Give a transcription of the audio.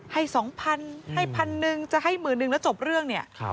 ให้๒๐๐ให้พันหนึ่งจะให้หมื่นนึงแล้วจบเรื่องเนี่ย